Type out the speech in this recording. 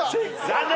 残念！